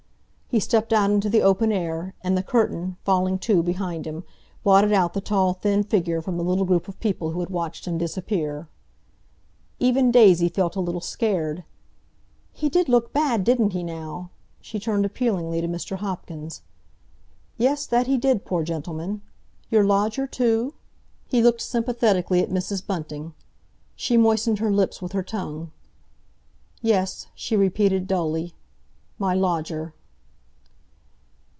He stepped out into the open air, and the curtain, falling to behind him, blotted out the tall, thin figure from the little group of people who had watched him disappear. Even Daisy felt a little scared. "He did look bad, didn't he, now?" she turned appealingly to Mr. Hopkins. "Yes, that he did, poor gentleman—your lodger, too?" he looked sympathetically at Mrs. Bunting. She moistened her lips with her tongue. "Yes," she repeated dully, "my lodger."